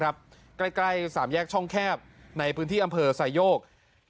ใกล้๓แยกช่องแคบในพื้นที่อำเภอไซโยก